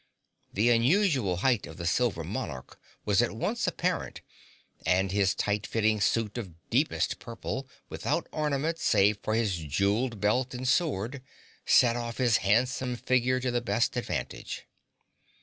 The unusual height of the silver monarch was at once apparent and his tight fitting suit of deepest purple, without ornament save for his jeweled belt and sword, set off his handsome figure to the best advantage.